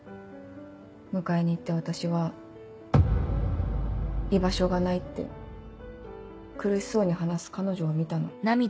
迎えに行った私は「居場所がない」って苦しそうに話す彼女を見たの。